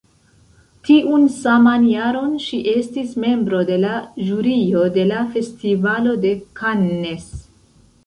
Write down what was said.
Tiun saman jaron ŝi estis membro de la Ĵurio de la Festivalo de Cannes.